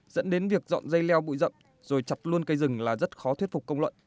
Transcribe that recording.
dẫn đến việc dọn dây leo bụi rậm rồi chặt luôn cây rừng là rất khó thuyết phục công luận